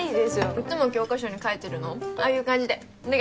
いつも教科書に描いてるのああいう感じでお願い。